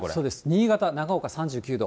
新潟・長岡３９度。